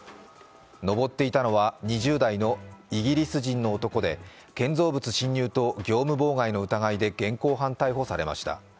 登っていたのは２０代のイギリス人の男で建造物侵入と業務妨害の疑いで現行犯逮捕されました。